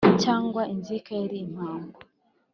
cyangwa inzika yari impamba